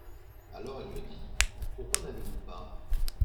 Alors elle me dit : Pourquoi n'avez-vous pas